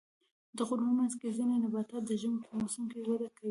د غرونو منځ کې ځینې نباتات د ژمي په موسم کې وده کوي.